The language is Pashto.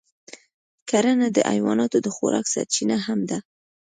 کرنه د حیواناتو د خوراک سرچینه هم ده.